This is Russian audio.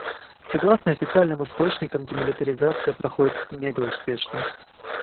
Согласно официальным источникам демилитаризация проходит мегауспешно.